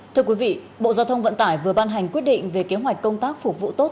thưa quý vị bộ giao thông vận tải vừa ban hành quyết định về kế hoạch công tác phục vụ tốt